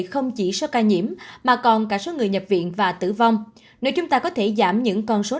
không chỉ số ca nhiễm mà còn cả số người nhập viện và tử vong nếu chúng ta có thể giảm những con số